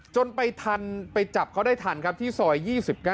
จนไปทันไปจับเขาได้ทันครับที่ซอย๒๙